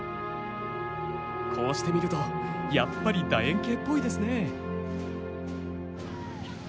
こうして見るとやっぱり楕円形っぽいですねえ。